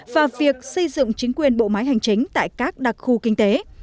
và việc xây dựng chính quyền bộ máy hành chính tại các đặc khu kinh tế